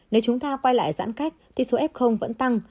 nếu chúng ta quay lại giãn cách thì số ép không vẫn tăng